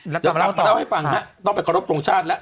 เดี๋ยวกลับมาเล่าให้ฟังฮะต้องไปขอรบทรงชาติแล้ว